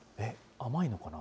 甘いのかな？